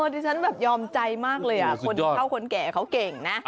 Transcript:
ดิฉันแบบยอมใจมากเลยคนเท่าคนแก่เขาเก่งนะ